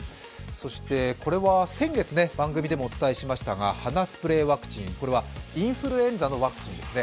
そして、これは先月、番組でもお伝えしましたが鼻スプレーワクチン、これはインフルエンザのワクチンですね。